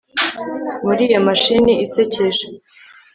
Muri iyo mashini isekeje